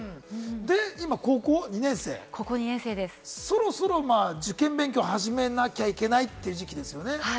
今、高校２年生、そろそろ受験勉強を始めなきゃいけないという時期ですよね。